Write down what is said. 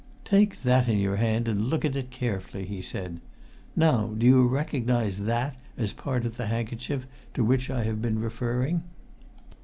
"Take that in your hand and look at it carefully," he said. "Now, do you recognize that as part of the handkerchief to which I have been referring?"